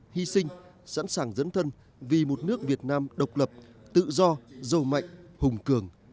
hy sinh sẵn sàng dẫn thân vì một nước việt nam độc lập tự do giàu mạnh hùng cường